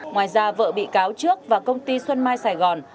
ngoài ra vợ bị cáo trước và công ty xuân mai sài gòn